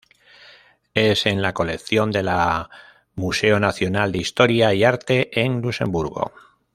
Es en la colección de la Museo Nacional de Historia y Arte, en Luxemburgo.